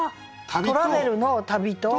トラベルの「旅」と。